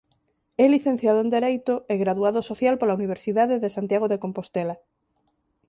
É licenciado en Dereito e graduado social pola Universidade de Santiago de Compostela.